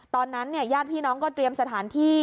ตอนนั้นเนี่ยญาติพี่น้องก็เตรียมสถานที่